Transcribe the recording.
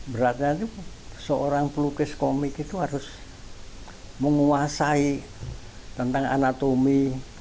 beratnya itu seorang pelukis komik itu harus menguasai tentang anatomi